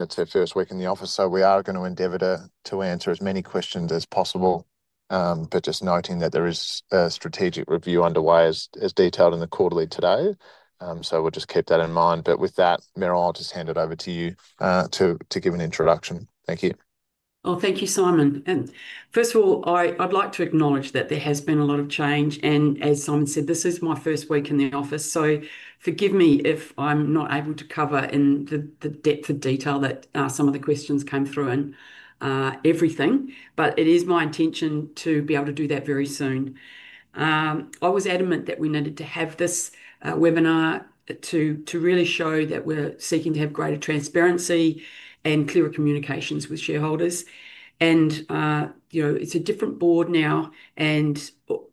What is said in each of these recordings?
AnteoTech first week in the office, so we are going to endeavor to answer as many questions as possible, just noting that there is a strategic review underway as detailed in the quarterly today. We'll just keep that in mind. With that, Merrill, I'll hand it over to you to give an introduction. Thank you. Thank you, Simon. First of all, I'd like to acknowledge that there has been a lot of change. As Simon said, this is my first week in the office, so forgive me if I'm not able to cover in the depth of detail that some of the questions came through and everything. It is my intention to be able to do that very soon. I was adamant that we needed to have this webinar to really show that we're seeking to have greater transparency and clearer communications with shareholders. It is a different board now, and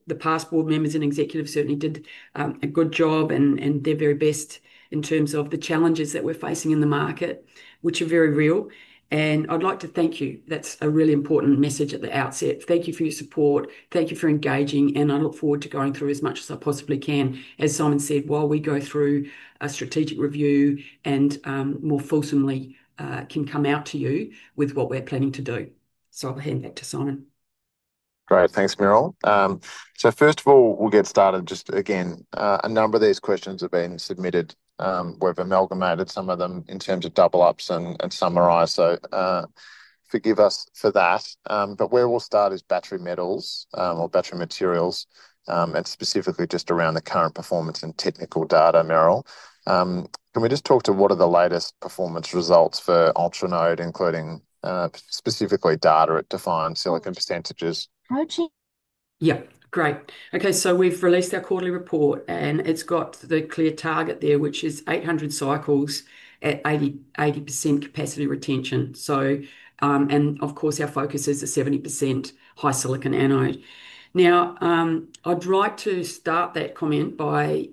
the past board members and executives certainly did a good job and their very best in terms of the challenges that we're facing in the market, which are very real. I'd like to thank you. That's a really important message at the outset. Thank you for your support. Thank you for engaging. I look forward to going through as much as I possibly can, as Simon said, while we go through a strategic review and more fulsomely can come out to you with what we're planning to do. I'll hand back to Simon. Great. Thanks, Merrill. First of all, we'll get started. Just again, a number of these questions have been submitted. We've amalgamated some of them in terms of double-ups and summarized, so forgive us for that. Where we'll start is battery metals or battery materials, and specifically just around the current performance and technical data, Merrill. Can we just talk to what are the latest performance results for Ultranode, including specifically data at defined silicon percentages? Coaching. Yeah. Great. Okay. So we've released our quarterly report, and it's got the clear target there, which is 800 cycles at 80% capacity retention. Of course, our focus is the 70% high silicon anode. Now, I'd like to start that comment by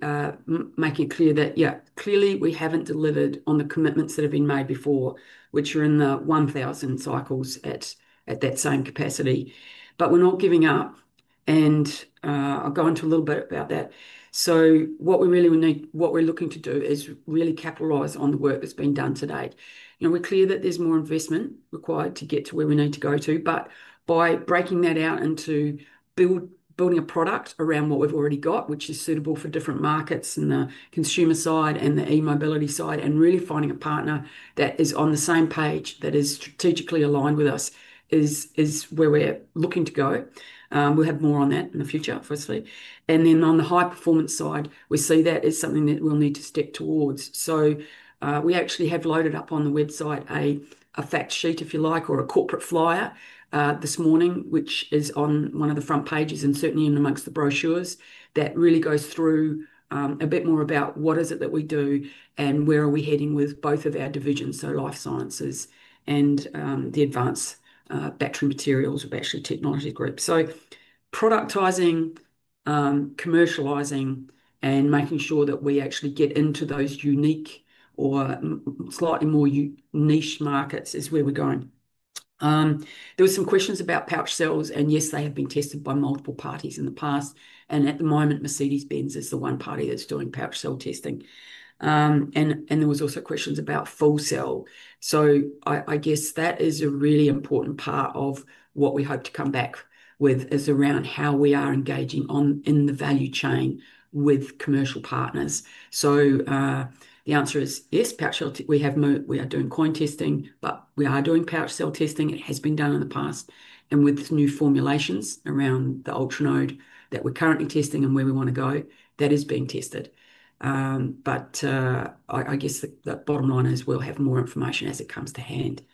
making clear that, yeah, clearly we haven't delivered on the commitments that have been made before, which are in the 1,000 cycles at that same capacity. We're not giving up. I'll go into a little bit about that. What we really need, what we're looking to do is really capitalize on the work that's been done to date. We're clear that there's more investment required to get to where we need to go to. By breaking that out into building a product around what we've already got, which is suitable for different markets in the consumer side and the e-mobility side, and really finding a partner that is on the same page that is strategically aligned with us is where we're looking to go. We'll have more on that in the future, obviously. On the high-performance side, we see that as something that we'll need to step towards. We actually have loaded up on the website a fact sheet, if you like, or a corporate flyer this morning, which is on one of the front pages and certainly in amongst the brochures that really goes through a bit more about what is it that we do and where are we heading with both of our divisions, so life sciences and the advanced battery materials with actually technology group. Productising, commercialising, and making sure that we actually get into those unique or slightly more niche markets is where we're going. There were some questions about pouch cells, and yes, they have been tested by multiple parties in the past. At the moment, Mercedes-Benz is the one party that's doing pouch cell testing. There were also questions about full cell. I guess that is a really important part of what we hope to come back with, around how we are engaging in the value chain with commercial partners. The answer is yes, pouch cell. We are doing coin testing, but we are doing pouch cell testing. It has been done in the past. With new formulations around the Ultranode that we're currently testing and where we want to go, that is being tested. I guess the bottom line is we'll have more information as it comes to hand.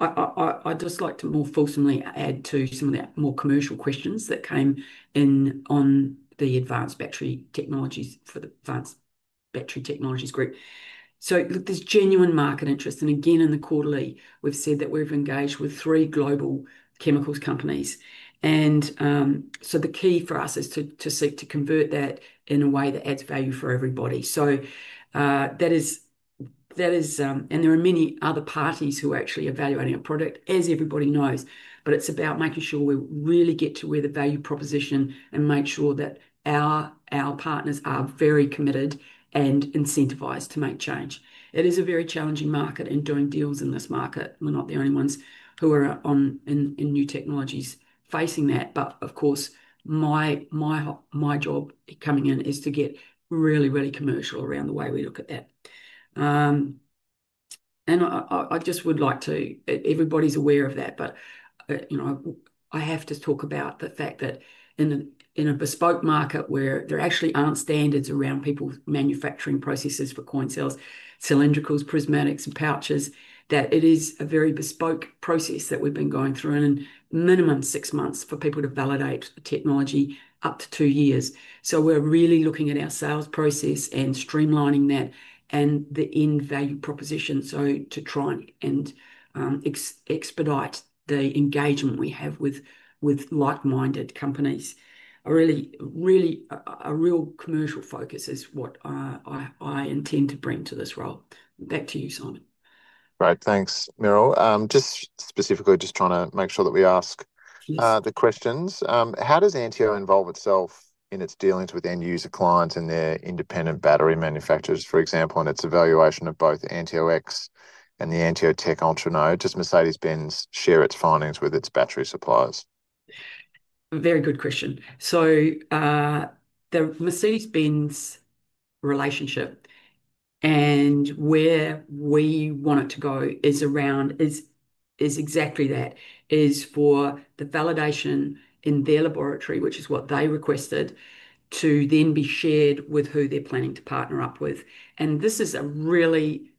I'd just like to more fulsomely add to some of the more commercial questions that came in on the advanced battery technologies for the advanced battery technologies group. There's genuine market interest. Again, in the quarterly, we've said that we've engaged with three global chemicals companies. The key for us is to seek to convert that in a way that adds value for everybody. That is, and there are many other parties who are actually evaluating a product, as everybody knows. It's about making sure we really get to where the value proposition and make sure that our partners are very committed and incentivized to make change. It is a very challenging market and doing deals in this market. We're not the only ones who are in new technologies facing that. Of course, my job coming in is to get really, really commercial around the way we look at that. I just would like to, everybody's aware of that, but I have to talk about the fact that in a bespoke market where there actually aren't standards around people manufacturing processes for coin cells, cylindricals, prismatics, and pouches, it is a very bespoke process that we've been going through in minimum six months for people to validate the technology up to two years. We're really looking at our sales process and streamlining that and the end value proposition to try and expedite the engagement we have with like-minded companies. A real commercial focus is what I intend to bring to this role. Back to you, Simon. Great. Thanks, Merrill. Just specifically, just trying to make sure that we ask the questions. How does Anteo involve itself in its dealings with end-user clients and their independent battery manufacturers, for example, in its evaluation of both Anteo X and the AnteoTech Ultranode? Does Mercedes-Benz share its findings with its battery suppliers? Very good question. The Mercedes-Benz relationship and where we want it to go is exactly that, is for the validation in their laboratory, which is what they requested, to then be shared with who they're planning to partner up with. This is a really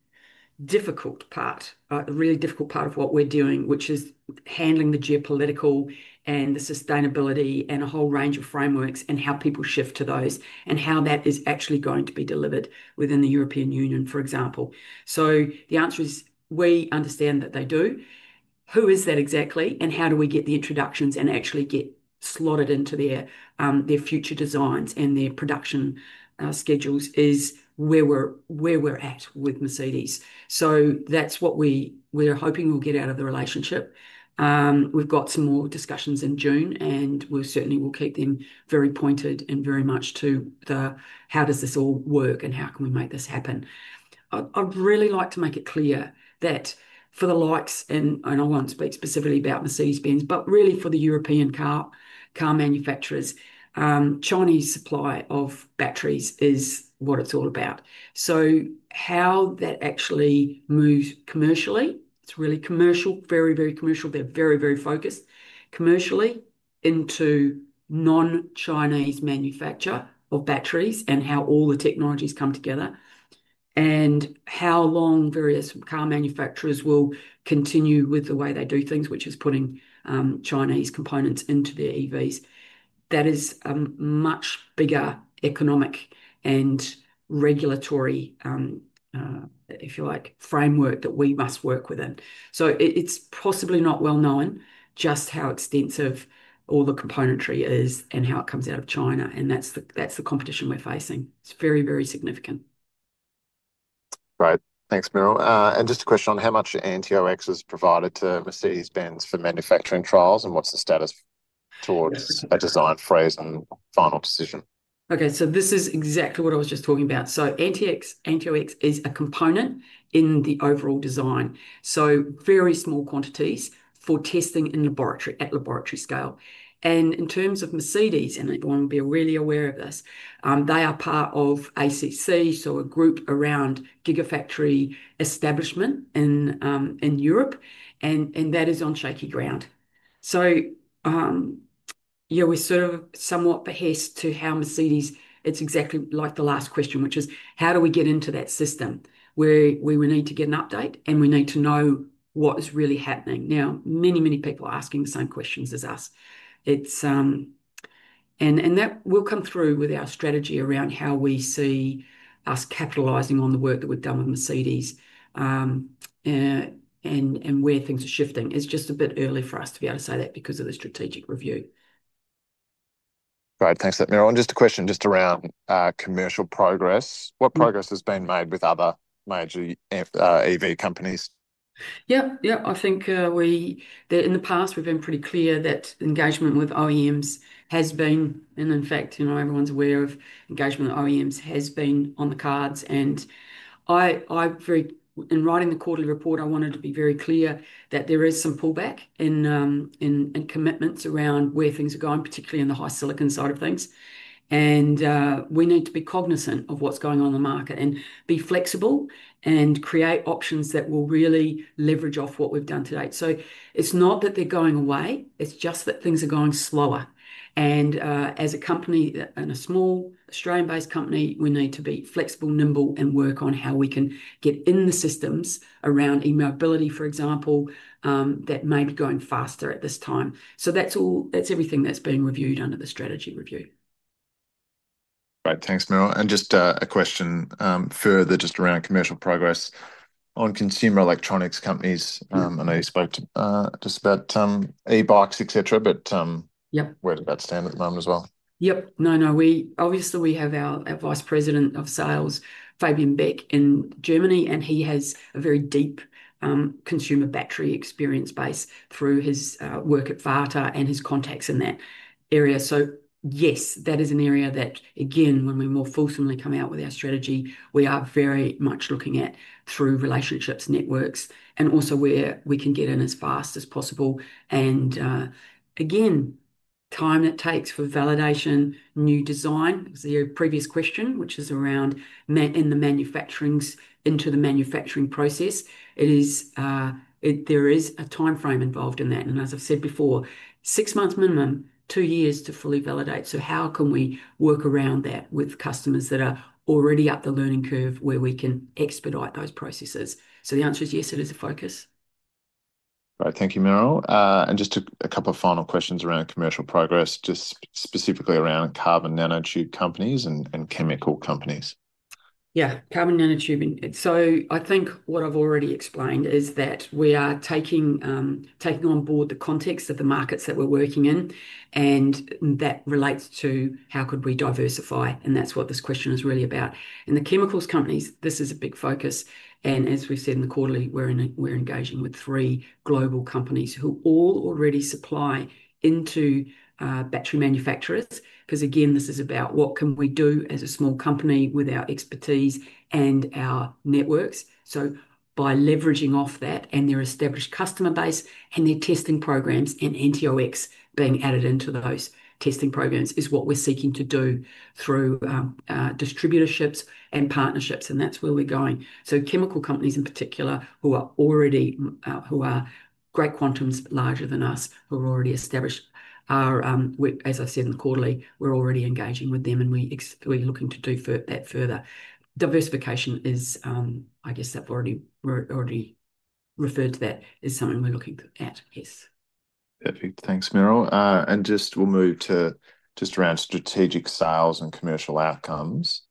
difficult part, a really difficult part of what we're doing, which is handling the geopolitical and the sustainability and a whole range of frameworks and how people shift to those and how that is actually going to be delivered within the European Union, for example. The answer is we understand that they do. Who is that exactly? How do we get the introductions and actually get slotted into their future designs and their production schedules is where we're at with Mercedes. That's what we're hoping we'll get out of the relationship. We've got some more discussions in June, and we certainly will keep them very pointed and very much to how does this all work and how can we make this happen. I'd really like to make it clear that for the likes, and I won't speak specifically about Mercedes-Benz, but really for the European car manufacturers, Chinese supply of batteries is what it's all about. How that actually moves commercially, it's really commercial, very, very commercial. They're very, very focused commercially into non-Chinese manufacture of batteries and how all the technologies come together and how long various car manufacturers will continue with the way they do things, which is putting Chinese components into their EVs. That is a much bigger economic and regulatory, if you like, framework that we must work within. It's possibly not well known just how extensive all the componentry is and how it comes out of China. That's the competition we're facing. It's very, very significant. Great. Thanks, Merrill. Just a question on how much Anteo X has provided to Mercedes-Benz for manufacturing trials and what's the status towards a design phase and final decision? Okay. This is exactly what I was just talking about. Anteo X is a component in the overall design. Very small quantities for testing at laboratory scale. In terms of Mercedes, and everyone will be really aware of this, they are part of ACC, a group around gigafactory establishment in Europe. That is on shaky ground. We are sort of somewhat behest to how Mercedes, it's exactly like the last question, which is how do we get into that system where we need to get an update and we need to know what is really happening. Many, many people are asking the same questions as us. That will come through with our strategy around how we see us capitalizing on the work that we have done with Mercedes and where things are shifting. It's just a bit early for us to be able to say that because of the strategic review. Great. Thanks, Merrill. Just a question just around commercial progress. What progress has been made with other major EV companies? Yep. Yep. I think in the past, we've been pretty clear that engagement with OEMs has been, and in fact, everyone's aware of engagement with OEMs has been on the cards. In writing the quarterly report, I wanted to be very clear that there is some pullback in commitments around where things are going, particularly in the high-silicon side of things. We need to be cognizant of what's going on in the market and be flexible and create options that will really leverage off what we've done to date. It's not that they're going away. It's just that things are going slower. As a company, a small Australian-based company, we need to be flexible, nimble, and work on how we can get in the systems around e-mobility, for example, that may be going faster at this time. That's everything that's been reviewed under the strategy review. Great. Thanks, Merrill. Just a question further just around commercial progress on consumer electronics companies. I know you spoke just about e-bikes, etc., but where does that stand at the moment as well? Yep. No, no. Obviously, we have our Vice President of Sales, Fabian Beck, in Germany, and he has a very deep consumer battery experience base through his work at Varta and his contacts in that area. Yes, that is an area that, again, when we more fulsomely come out with our strategy, we are very much looking at through relationships, networks, and also where we can get in as fast as possible. The time that takes for validation, new design, was your previous question, which is around in the manufacturings into the manufacturing process. There is a timeframe involved in that. As I've said before, six months minimum, two years to fully validate. How can we work around that with customers that are already up the learning curve where we can expedite those processes? The answer is yes, it is a focus. Great. Thank you, Merrill. Just a couple of final questions around commercial progress, just specifically around carbon nanotube companies and chemical companies. Yeah. Carbon nanotubing. I think what I've already explained is that we are taking on board the context of the markets that we're working in, and that relates to how could we diversify. That's what this question is really about. In the chemicals companies, this is a big focus. As we've said in the quarterly, we're engaging with three global companies who all already supply into battery manufacturers. Again, this is about what can we do as a small company with our expertise and our networks. By leveraging off that and their established customer base and their testing programs and Anteo X being added into those testing programs is what we're seeking to do through distributorships and partnerships. That's where we're going. Chemical companies in particular who are great quantums larger than us, who are already established, as I said in the quarterly, we're already engaging with them and we're looking to do that further. Diversification is, I guess I've already referred to that as something we're looking at, yes. Perfect. Thanks, Merrill. We will move to just around strategic sales and commercial outcomes.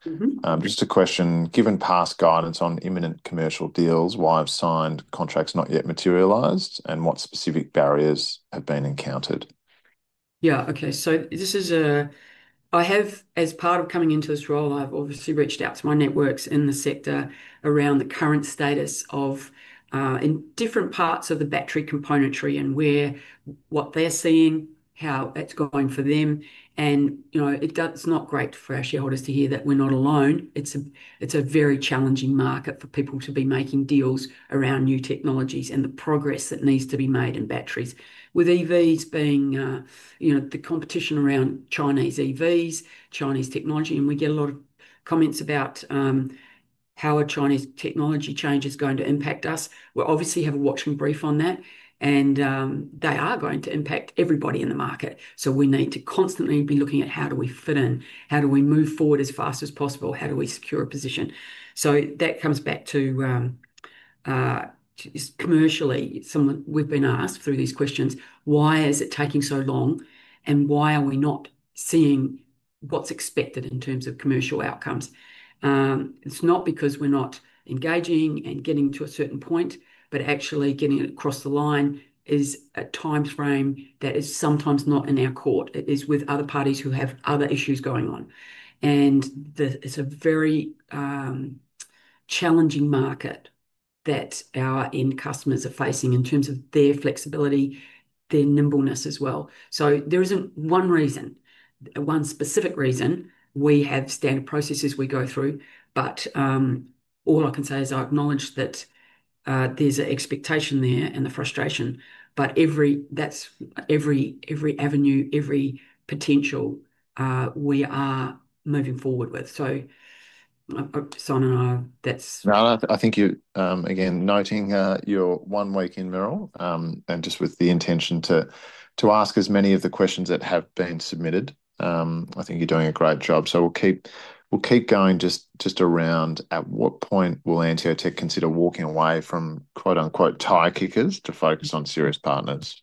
Just a question. Given past guidance on imminent commercial deals, why have signed contracts not yet materialized and what specific barriers have been encountered? Yeah. Okay. This is a, as part of coming into this role, I've obviously reached out to my networks in the sector around the current status of different parts of the battery componentry and what they're seeing, how it's going for them. It's not great for our shareholders to hear that we're not alone. It's a very challenging market for people to be making deals around new technologies and the progress that needs to be made in batteries. With EVs being the competition around Chinese EVs, Chinese technology, and we get a lot of comments about how a Chinese technology change is going to impact us. We obviously have a watching brief on that, and they are going to impact everybody in the market. We need to constantly be looking at how do we fit in, how do we move forward as fast as possible, how do we secure a position. That comes back to commercially, we've been asked through these questions, why is it taking so long and why are we not seeing what's expected in terms of commercial outcomes? It's not because we're not engaging and getting to a certain point, but actually getting across the line is a timeframe that is sometimes not in our court. It is with other parties who have other issues going on. It's a very challenging market that our end customers are facing in terms of their flexibility, their nimbleness as well. There isn't one reason, one specific reason. We have standard processes we go through. All I can say is I acknowledge that there's an expectation there and the frustration. That's every avenue, every potential we are moving forward with. Simon and I, that's. No, I think you're again noting your one week in, Merrill, and just with the intention to ask as many of the questions that have been submitted. I think you're doing a great job. We'll keep going just around at what point will AnteoTech consider walking away from "tire kickers" to focus on serious partners?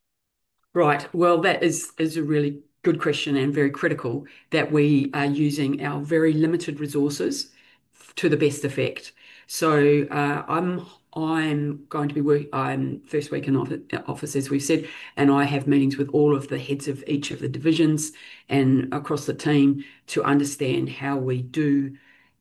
Right. That is a really good question and very critical that we are using our very limited resources to the best effect. I'm going to be first week in office, as we've said, and I have meetings with all of the heads of each of the divisions and across the team to understand how we do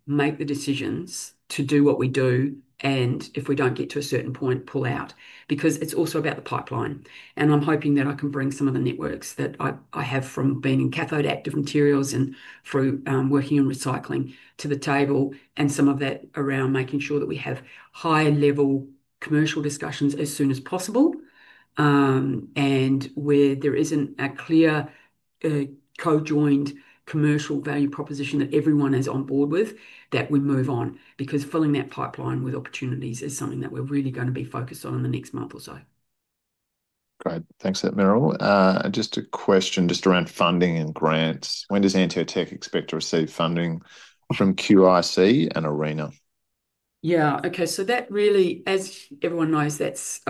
make the decisions to do what we do, and if we don't get to a certain point, pull out. Because it's also about the pipeline. I'm hoping that I can bring some of the networks that I have from being in cathode active materials and through working in recycling to the table and some of that around making sure that we have high-level commercial discussions as soon as possible and where there isn't a clear co-joined commercial value proposition that everyone is on board with, that we move on. Because filling that pipeline with opportunities is something that we're really going to be focused on in the next month or so. Great. Thanks for that, Merrill. Just a question just around funding and grants. When does AnteoTech expect to receive funding from QIC and ARENA? Yeah. Okay. That really, as everyone knows, is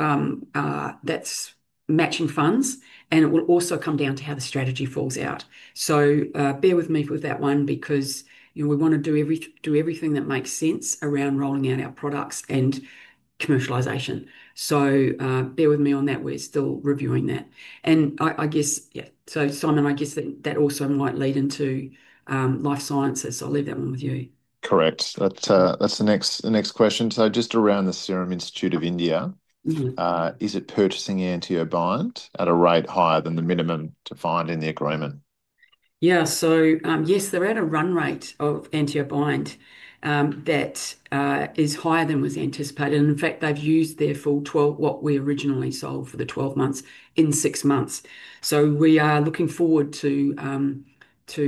matching funds, and it will also come down to how the strategy falls out. Bear with me with that one because we want to do everything that makes sense around rolling out our products and commercialisation. Bear with me on that. We're still reviewing that. I guess, yeah. Simon, I guess that also might lead into life sciences. I'll leave that one with you. Correct. That's the next question. Just around the Serum Institute of India, is it purchasing AnteoBind at a rate higher than the minimum defined in the agreement? Yeah. So yes, they're at a run rate of AnteoBind that is higher than was anticipated. In fact, they've used their full 12, what we originally sold for the 12 months, in six months. We are looking forward to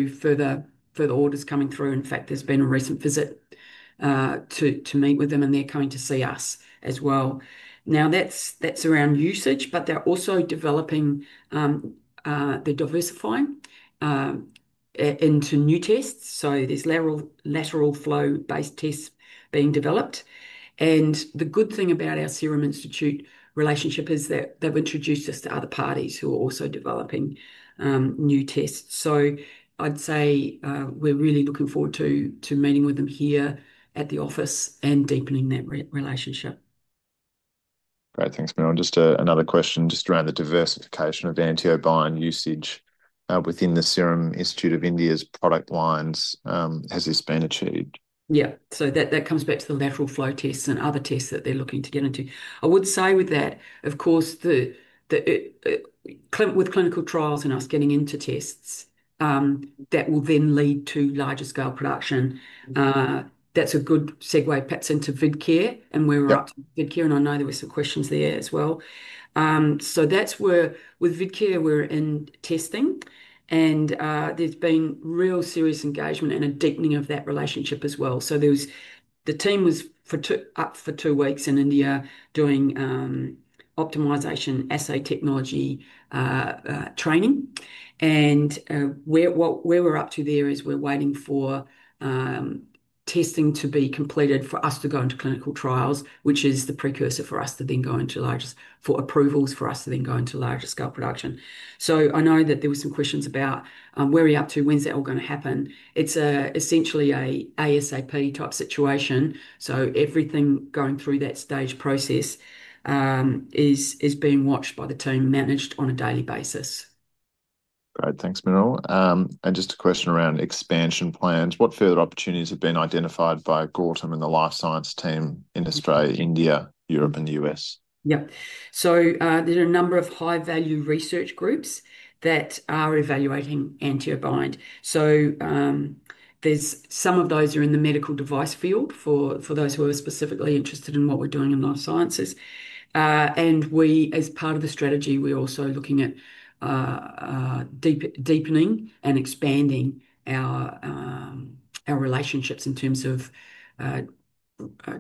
further orders coming through. In fact, there's been a recent visit to meet with them, and they're coming to see us as well. Now, that's around usage, but they're also developing to diversify into new tests. There are lateral flow-based tests being developed. The good thing about our Serum Institute relationship is that they've introduced us to other parties who are also developing new tests. I'd say we're really looking forward to meeting with them here at the office and deepening that relationship. Great. Thanks, Merrill. Just another question just around the diversification of AnteoBind usage within the Serum Institute of India's product lines. Has this been achieved? Yeah. That comes back to the lateral flow tests and other tests that they're looking to get into. I would say with that, of course, with clinical trials and us getting into tests that will then lead to larger scale production, that's a good segue perhaps into Vidcare and where we're up to Vidcare. I know there were some questions there as well. That's where with Vidcare, we're in testing, and there's been real serious engagement and a deepening of that relationship as well. The team was up for two weeks in India doing optimisation assay technology training. Where we're up to there is we're waiting for testing to be completed for us to go into clinical trials, which is the precursor for us to then go into larger for approvals for us to then go into larger scale production. I know that there were some questions about where are we up to, when's that all going to happen. It's essentially an ASAP type situation. Everything going through that stage process is being watched by the team, managed on a daily basis. Great. Thanks, Merrill. Just a question around expansion plans. What further opportunities have been identified by Gautam and the life science team in Australia, India, Europe, and the US? Yep. There are a number of high-value research groups that are evaluating AnteoBind. Some of those are in the medical device field for those who are specifically interested in what we're doing in life sciences. As part of the strategy, we're also looking at deepening and expanding our relationships in terms of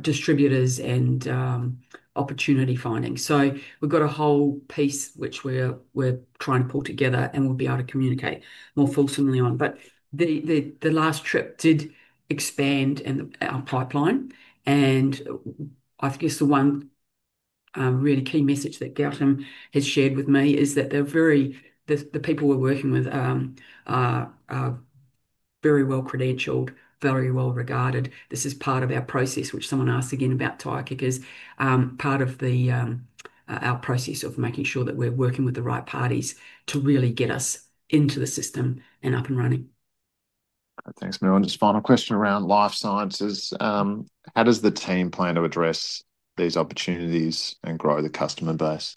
distributors and opportunity finding. We've got a whole piece which we're trying to pull together, and we'll be able to communicate more fulsomely on. The last trip did expand our pipeline. I guess the one really key message that Gautam has shared with me is that the people we're working with are very well-credentialed, very well-regarded. This is part of our process, which someone asked again about tire kickers, part of our process of making sure that we're working with the right parties to really get us into the system and up and running. Thanks, Merrill. Just final question around life sciences. How does the team plan to address these opportunities and grow the customer base?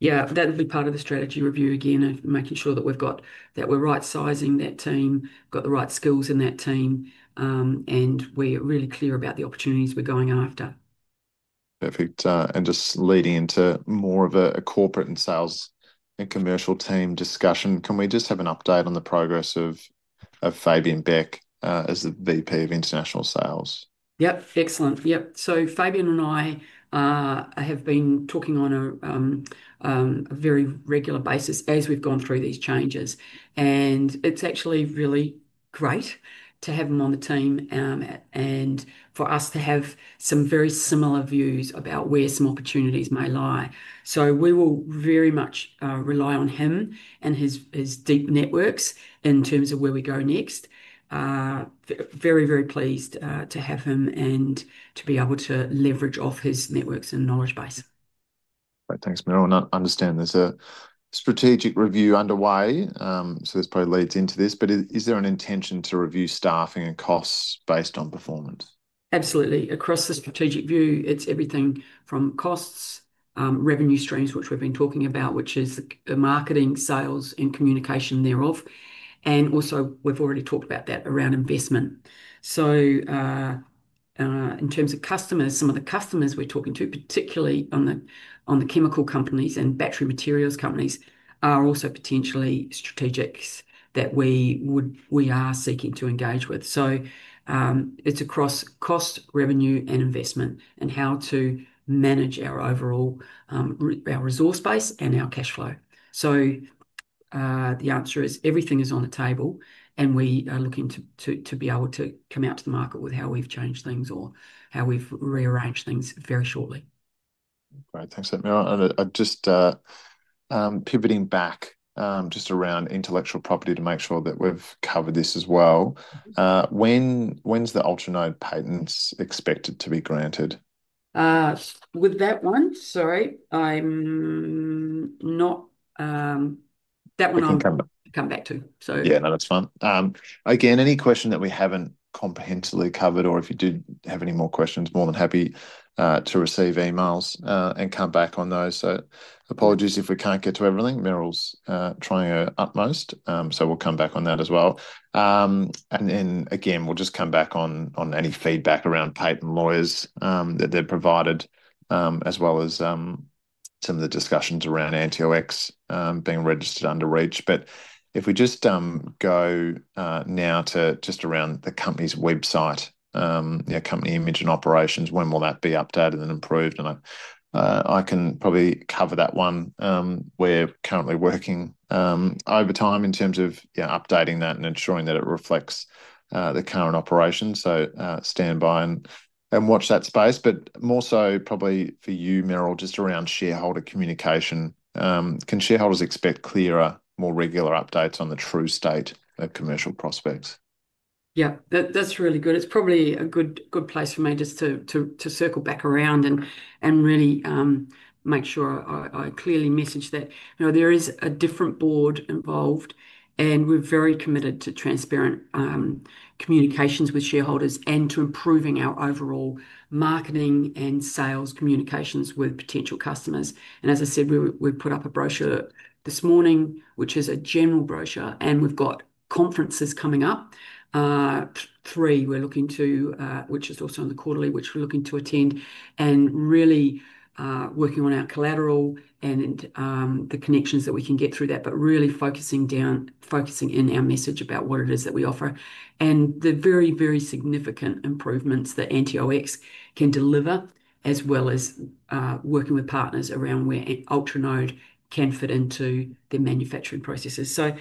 Yeah. That will be part of the strategy review again, making sure that we've got that we're right-sizing that team, got the right skills in that team, and we're really clear about the opportunities we're going after. Perfect. Just leading into more of a corporate and sales and commercial team discussion, can we just have an update on the progress of Fabian Beck as the VP of International Sales? Yep. Excellent. Yep. Fabian and I have been talking on a very regular basis as we've gone through these changes. It's actually really great to have him on the team and for us to have some very similar views about where some opportunities may lie. We will very much rely on him and his deep networks in terms of where we go next. Very, very pleased to have him and to be able to leverage off his networks and knowledge base. Great. Thanks, Merrill. I understand there's a strategic review underway. This probably leads into this. Is there an intention to review staffing and costs based on performance? Absolutely. Across the strategic view, it's everything from costs, revenue streams, which we've been talking about, which is marketing, sales, and communication thereof. Also, we've already talked about that around investment. In terms of customers, some of the customers we're talking to, particularly on the chemical companies and battery materials companies, are also potentially strategics that we are seeking to engage with. It's across cost, revenue, and investment, and how to manage our resource base and our cash flow. The answer is everything is on the table, and we are looking to be able to come out to the market with how we've changed things or how we've rearranged things very shortly. Great. Thanks, Merrill. Just pivoting back just around intellectual property to make sure that we've covered this as well. When's the Ultranode patents expected to be granted? With that one, sorry. That one I'll come back to. Yeah, no, that's fine. Again, any question that we haven't comprehensively covered, or if you do have any more questions, more than happy to receive emails and come back on those. Apologies if we can't get to everything. Merrill's trying her utmost. We'll come back on that as well. We'll just come back on any feedback around patent lawyers that they've provided, as well as some of the discussions around Anteo X being registered under REACH. If we just go now to just around the company's website, company image and operations, when will that be updated and improved? I can probably cover that one. We're currently working over time in terms of updating that and ensuring that it reflects the current operations. Stand by and watch that space. More so probably for you, Merrill, just around shareholder communication. Can shareholders expect clearer, more regular updates on the true state of commercial prospects? Yep. That's really good. It's probably a good place for me just to circle back around and really make sure I clearly message that there is a different board involved, and we're very committed to transparent communications with shareholders and to improving our overall marketing and sales communications with potential customers. As I said, we put up a brochure this morning, which is a general brochure, and we've got conferences coming up. Three we're looking to, which is also in the quarterly, which we're looking to attend, and really working on our collateral and the connections that we can get through that, but really focusing in our message about what it is that we offer. The very, very significant improvements that Anteo X can deliver, as well as working with partners around where Ultranode can fit into their manufacturing processes. As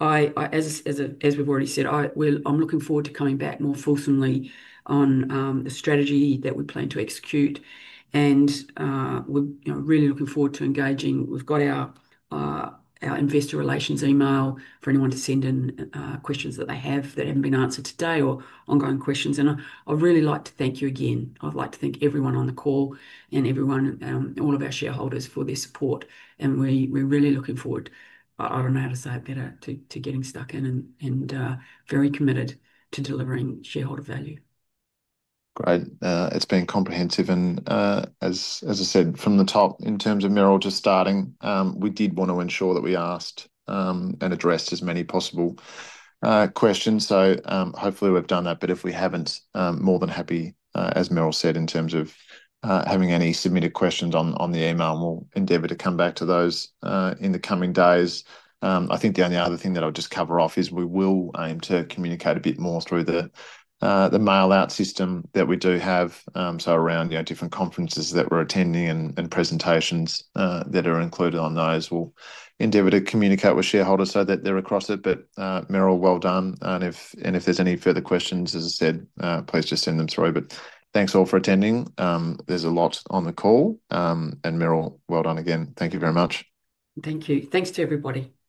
we've already said, I'm looking forward to coming back more fulsomely on the strategy that we plan to execute. We're really looking forward to engaging. We've got our investor relations email for anyone to send in questions that they have that haven't been answered today or ongoing questions. I'd really like to thank you again. I'd like to thank everyone on the call and all of our shareholders for their support. We're really looking forward, I don't know how to say it better, to getting stuck in and very committed to delivering shareholder value. Great. It's been comprehensive. As I said from the top, in terms of Merrill just starting, we did want to ensure that we asked and addressed as many possible questions. Hopefully we've done that. If we haven't, more than happy, as Merrill said, in terms of having any submitted questions on the email, we'll endeavour to come back to those in the coming days. I think the only other thing that I'll just cover off is we will aim to communicate a bit more through the mail-out system that we do have. Around different conferences that we're attending and presentations that are included on those, we'll endeavour to communicate with shareholders so that they're across it. Merrill, well done. If there's any further questions, as I said, please just send them through. Thanks all for attending. There's a lot on the call. Merrill, well done again. Thank you very much. Thank you. Thanks to everybody. Thank you.